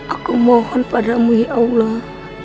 aku mohon padamu ya allah